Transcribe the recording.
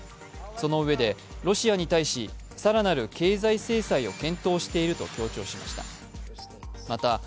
そのうえで、ロシアに対し、更なる経済制裁を検討していると強調しました。